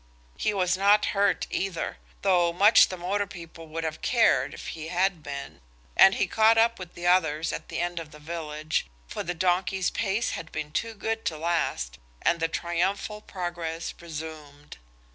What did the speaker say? He was not hurt either–though much the motor people would have cared if he had been–and he caught up with the others at the end of the village, for the donkey's pace had been too good to last, and the triumphal progress resumed.